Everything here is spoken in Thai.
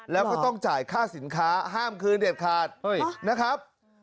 แล้วก็ต้องจ่ายค่าสินค้าห้ามคืนเด็ดขาดนะครับ